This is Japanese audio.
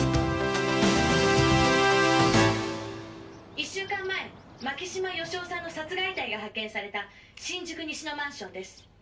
「１週間前牧島良夫さんの殺害遺体が発見された新宿西のマンションです」